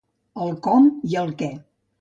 El com i el què.